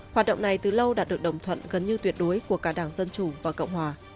hoạt động này từ lâu đã được đồng thuận gần như tuyệt đối của cả đảng dân chủ và cộng hòa